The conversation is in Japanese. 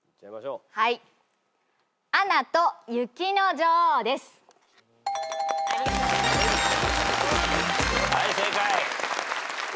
はい正解。